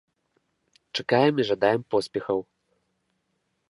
Чакаем і жадаем поспехаў!